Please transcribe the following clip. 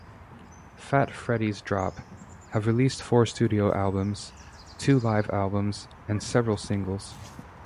"Fat Freddy's Drop" have released four studio albums, two live albums, and several singles.